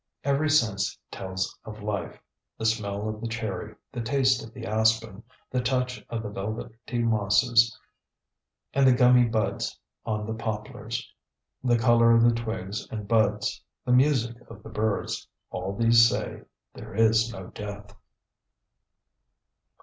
Every sense tells of life; the smell of the cherry, the taste of the aspen, the touch of the velvety mosses and the gummy buds on the poplars, the color of the twigs and buds, the music of the birds, all these say, "There is no death."